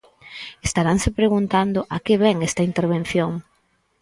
Estaranse preguntando a que vén esta intervención.